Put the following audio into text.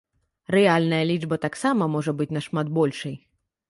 Рэальная лічба таксама можа быць нашмат большай.